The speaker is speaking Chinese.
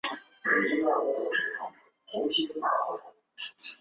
多语能通主义一词是指通晓多门语言的能力以及主张学习多门语言的立场等。